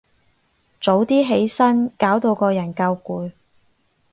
早啲起身，搞到個人夠攰